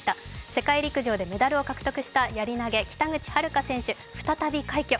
世界陸上でメダルを獲得したやり投、北口榛花選手再び快挙。